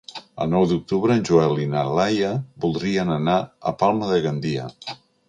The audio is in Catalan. El nou d'octubre en Joel i na Laia voldrien anar a Palma de Gandia.